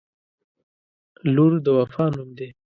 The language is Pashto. • لور د وفا نوم دی.